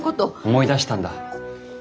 思い出したんだ。